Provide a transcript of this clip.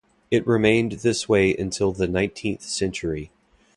It remained this way until the nineteenth century.